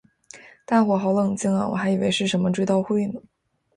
大伙好冷静啊我还以为是什么追悼会呢